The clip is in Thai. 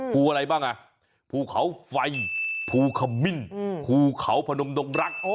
ภูอะไรบ้างอ่ะภูเขาไฟภูขมิ้นภูเขาพนมดงรัก